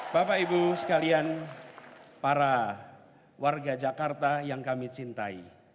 bapak ibu sekalian para warga jakarta yang kami cintai